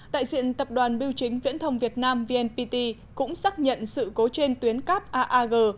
đại diện tập đoàn biêu chính viễn thông việt nam vnpt cũng xác nhận sự cố trên tuyến cắp aag